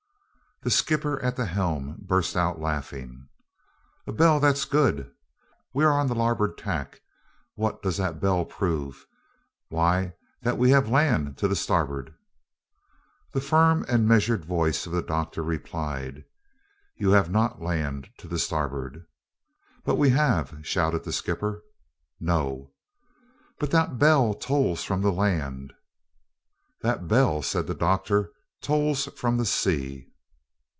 The skipper, at the helm, burst out laughing, "A bell! that's good. We are on the larboard tack. What does the bell prove? Why, that we have land to starboard." The firm and measured voice of the doctor replied, "You have not land to starboard." "But we have," shouted the skipper. "No!" "But that bell tolls from the land." "That bell," said the doctor, "tolls from the sea."